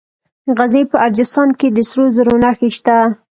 د غزني په اجرستان کې د سرو زرو نښې شته.